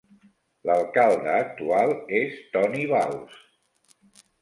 L'alcalde actual és Tony Vauss.